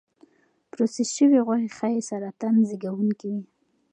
پروسس شوې غوښې ښایي سرطان زېږونکي وي.